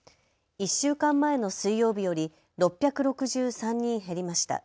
１週間前の水曜日より６６３人減りました。